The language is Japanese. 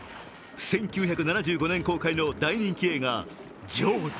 １９７５年公開の大人気映画「ジョーズ」。